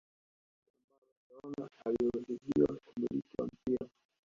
hakuna mechi ambayo barcelona aliyozidiwa umiliki wa mpira